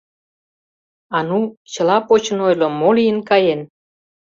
А ну, чыла почын ойло, мо лийын каен?